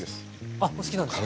あっお好きなんですか。